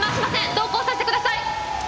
同行させてください！